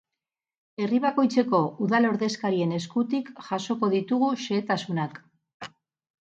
Herri bakoitzeko udal ordezkarien eskutik jasoko ditugu xehetasunak.